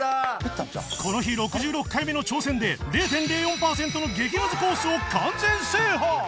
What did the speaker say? この日６６回目の挑戦で ０．０４ パーセントの激ムズコースを完全制覇！